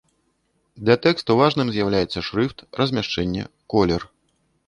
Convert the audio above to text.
Для тэксту важным з'яўляецца шрыфт, размяшчэнне, колер.